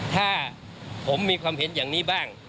ถ้าผมมีความเห็นอย่างนี้บ้าง